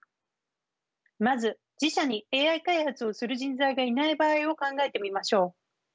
まず自社にＡＩ開発をする人材がいない場合を考えてみましょう。